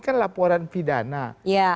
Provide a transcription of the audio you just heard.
kan laporan pidana ya